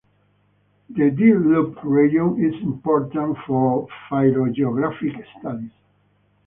The D-loop region is important for phylogeographic studies.